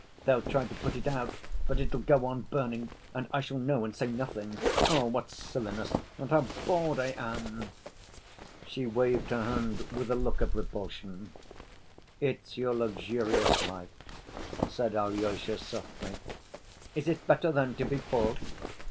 They'll try to put it out, but it'll go on burning. And I shall know and say nothing. Ah, what silliness! And how bored I am!" She waved her hand with a look of repulsion. "It's your luxurious life," said Alyosha, softly. "Is it better, then, to be poor?"